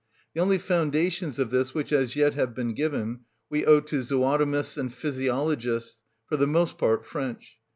The only foundations of this which as yet have been given we owe to zootomists and physiologists, for the most part French.